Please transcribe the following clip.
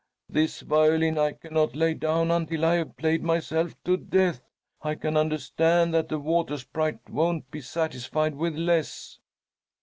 "This violin I cannot lay down until I have played myself to death. I can understand that the Water Sprite won't be satisfied with less."